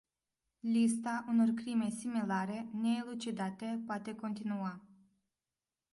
Lista unor crime similare neelucidate poate continua.